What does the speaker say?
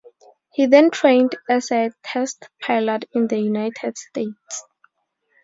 He then trained as a test pilot in the United States.